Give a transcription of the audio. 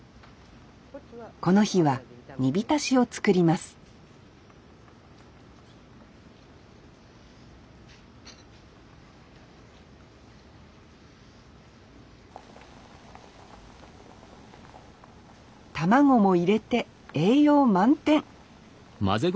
この日は煮びたしを作ります卵も入れて栄養満点！